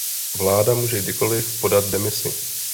Vláda může kdykoliv podat demisi.